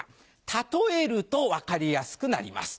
例えると分かりやすくなります。